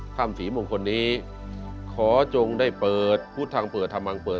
ถ้ำศรีมงคลนี้ขอจงได้เปิดพุทธทางเปิดธรรมังเปิด